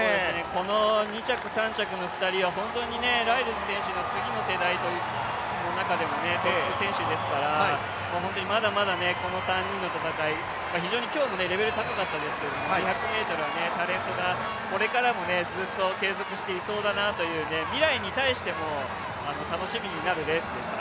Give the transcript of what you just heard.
この２着、３着の２人は本当にライルズ選手の次の選手の中でもトップ選手ですから本当にまだまだこの３人の戦い、非常に今日もレベルが高かったですけれども、これからも継続していそうだなという未来に対しても楽しみになるレースでした。